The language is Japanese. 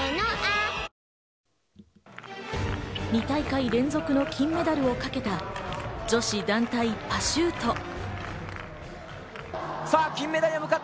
２大会連続の金メダルをかけた女子団体パシュート。